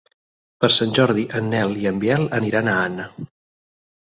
Per Sant Jordi en Nel i en Biel aniran a Anna.